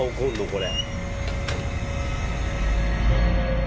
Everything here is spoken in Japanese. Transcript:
これ」